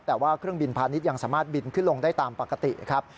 แต่ว่าเครื่องบินพาณิชย์ยังสามารถบินขึ้นลงได้ตามปกติครับ